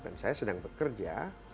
dan saya sedang bekerja